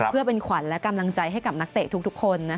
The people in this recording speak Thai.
เพื่อเป็นขวัญและกำลังใจให้กับนักเตะทุกคน